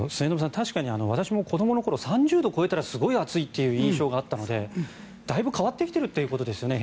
確かに私も子どもの頃３０度を超えたらすごい暑いという印象があったのでだいぶ変わってきているということですね。